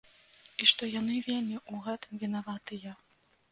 І што яны вельмі ў гэтым вінаватыя.